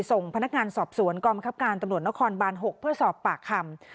ส่งพนักงานสอบสวนกรรมคับการตระหนดละคอลบ้าน๖เพื่อสอบปากคำ